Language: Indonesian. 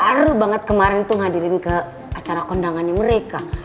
baru banget kemarin ngadirin ke acara kondangannya mereka